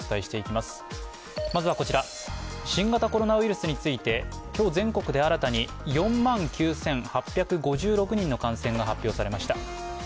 新型コロナウイルスについて今日全国で新たに４万９８５６人の感染が発表されました。